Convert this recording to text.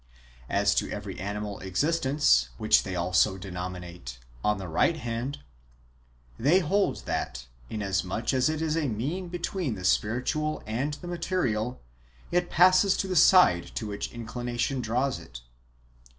As to every animal existence (which they also denominate " on the right hand"), they hold that, inasmuch as it is a mean between the spiritual and the material, it passes to the side to w^hich inclination draws it.